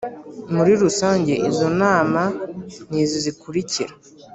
Muri Rusange Izo nama ni izi zikurikira